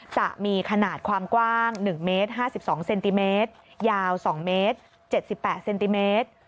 จะมีขนาดความกว้าง๑เมตร๕๒เซนติเมตรยาว๒เมตร๗๘เซนติเมตร